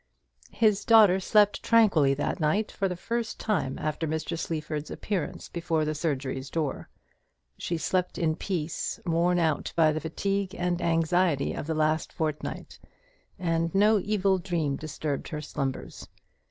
His daughter slept tranquilly that night for the first time after Mr. Sleaford's appearance before the surgeon's door. She slept in peace, worn out by the fatigue and anxiety of the last fortnight; and no evil dream disturbed her slumbers.